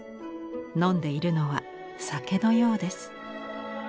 飲んでいるのは酒のようです。